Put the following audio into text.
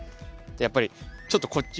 やっぱりちょっとこっち